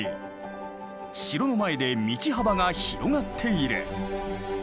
城の前で道幅が広がっている。